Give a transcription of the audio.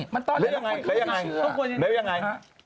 แล้วยังไง